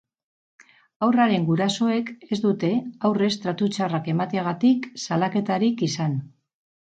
Haurraren gurasoek ez dute aurrez tratu txarrak emateagatik salaketarik izan.